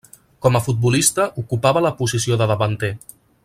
Com a futbolista ocupava la posició de davanter.